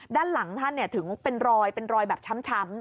ด้านหลังท่านถึงเป็นรอยเป็นรอยแบบช้ำ